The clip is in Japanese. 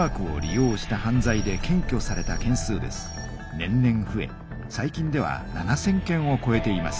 年々ふえ最近では７，０００件をこえています。